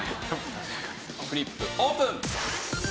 フリップオープン！